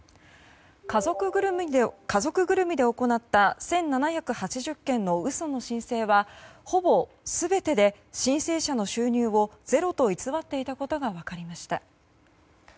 家族ぐるみで行った１７８０件の嘘の申請はほぼ全てで申請者の収入をゼロと偽っていたことが分かりました。